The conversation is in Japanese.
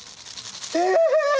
え？